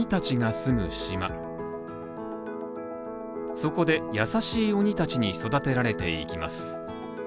そこで、優しい鬼たちに育てられていきます。